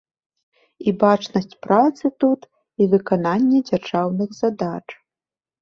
І бачнасць працы тут, і выкананне дзяржаўных задач.